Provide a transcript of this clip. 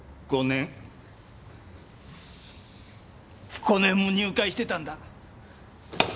５年も入会してたんだ。